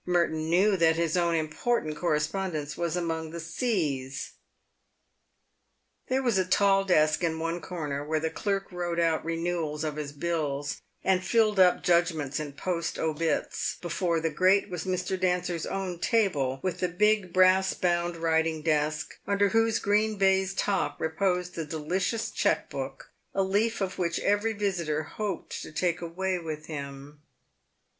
Merton knew that his own important correspondence was among the " C " s. There was a PAVED WITH GOLD. 203 tall desk in one corner where the clerk wrote out renewals of bills, and filled up judgments, and post obits. Before the grate was Mr. Dancer's own table, with the big, brass bound writing desk, under whose green baize top reposed the delicious cheque book, a leaf of which every visitor hoped to take away with him.